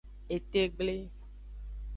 Etegble.